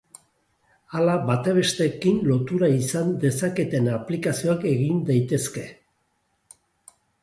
Hala, bata bestearekin lotura izan dezaketen aplikazioak egin daitezke.